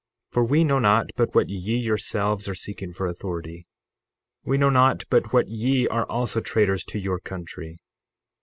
For we know not but what ye yourselves are seeking for authority. We know not but what ye are also traitors to your country.